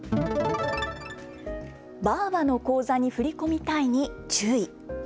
ばぁばの口座に振り込みたいに注意。